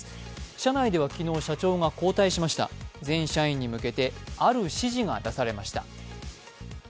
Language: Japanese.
社内では昨日、社長が交代しました全社員に向けて、ある指示が出されました。